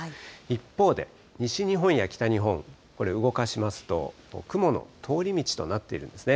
一方で西日本や北日本、これ、動かしますと、雲の通り道となっているんですね。